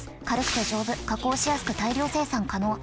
軽くて丈夫加工しやすく大量生産可能。